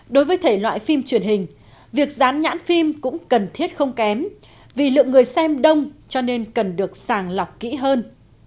đối với thể loại phim truyền hình việc dán nhãn phim cũng cần thiết không kém vì lượng người xem đông cho nên cần được sàng lọc kỹ hơn